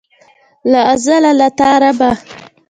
له ازله له تا ربه.